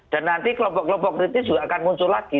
dan nanti kelompok kelompok kritis juga akan muncul lagi